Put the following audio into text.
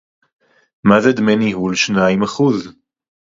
מה זה דמי ניהול שניים אחוז